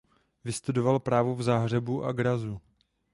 Vystudoval právo v Záhřebu a Grazu.